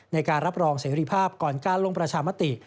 ในการรับรองเสรีภาพก่อนการลงประชามติ